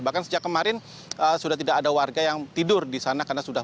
bahkan sejak kemarin sudah tidak ada warga yang tidur di sana karena sudah